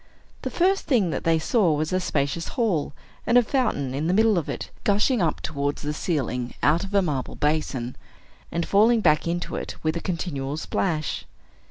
The first thing that they saw was a spacious hall, and a fountain in the middle of it, gushing up towards the ceiling out of a marble basin, and falling back into it with a continual plash.